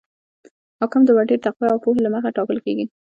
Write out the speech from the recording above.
حاکم د وړتیا، تقوا او پوهې له مخې ټاکل کیږي.